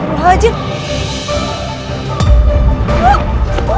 astaga berulang aja